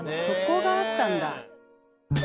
そこが合ったんだ。